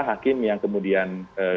hakim yang kemudian